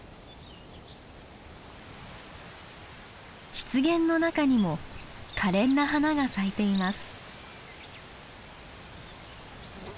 湿原の中にもかれんな花が咲いています。